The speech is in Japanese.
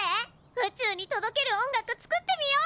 宇宙に届ける音楽作ってみよう！